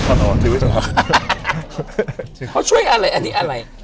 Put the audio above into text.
เขาช่วยอะไรอันนี้อะไร